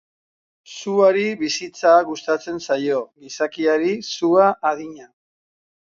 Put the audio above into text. Suari bizitza gustatzen zaio, gizakiari sua adina.